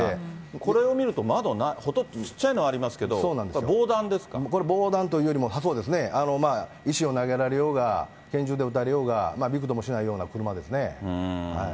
これを見ると窓ほとんど、ちっちゃいのありますけど、これ、防弾というよりも、そうですね、石を投げられようが、拳銃で撃たれようが、びくともしないような車ですね。